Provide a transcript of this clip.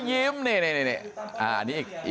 ยิ้มนี่